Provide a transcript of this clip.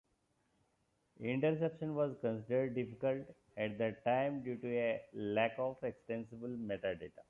Interception was considered difficult at the time due to a lack of extensible metadata.